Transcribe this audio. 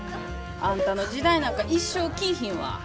あんたの時代なんか一生来ぃひんわ。